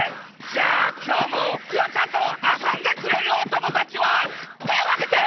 じゃあきょうもクヨちゃんとあそんでくれるおともだちはてをあげて！